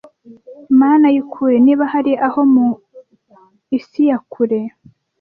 mana y'ukuri niba hari aho mu isi ya kure